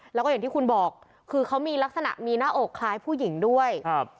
แล้วก็อย่างที่คุณบอกคือเขามีลักษณะมีหน้าอกคล้ายผู้หญิงด้วยครับ